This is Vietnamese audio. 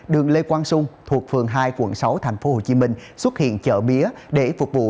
đường lê quang sung thuộc phường hai quận sáu tp hcm xuất hiện chợ mía để phục vụ